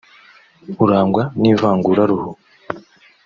urangwa n’ivanguraruhu